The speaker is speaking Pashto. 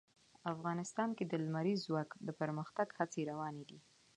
افغانستان کې د لمریز ځواک د پرمختګ هڅې روانې دي.